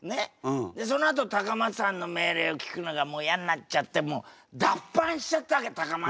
そのあと高松藩の命令を聞くのがもう嫌になっちゃってもう脱藩しちゃったわけ高松藩から。